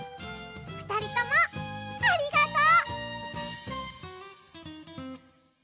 ふたりともありがとう！